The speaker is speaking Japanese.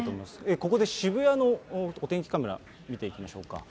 ここで渋谷のお天気カメラ、見ていきましょうか。